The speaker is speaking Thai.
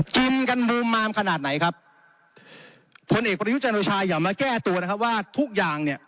กินกันบูมมามขนาดไหนครับผลเอกประยุจันโอชาอย่ามาแก้ตัวนะครับว่าทุกอย่างเนี่ย